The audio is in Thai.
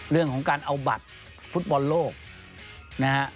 เรื่องของการเอาบัตรฟุตบอลโลกนะฮะ